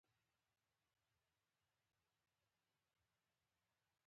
غول د خوړو د هضم ثبوت دی.